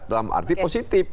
dalam arti positif